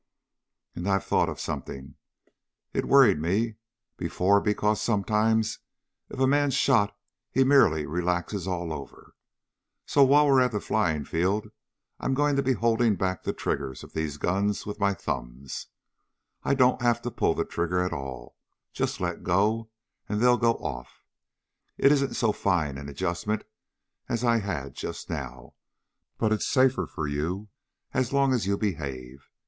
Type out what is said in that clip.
"And I've thought of something. It worried me, before, because sometimes if a man's shot he merely relaxes all over. So while we're at the flying field I'm going to be holding back the triggers of these guns with my thumbs. I don't have to pull the trigger at all just let go and they'll go off. It isn't so fine an adjustment as I had just now, but it's safer for you as long as you behave.